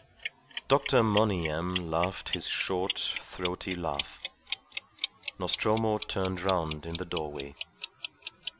Dr. Monygham laughed his short, throaty laugh. Nostromo turned round in the doorway.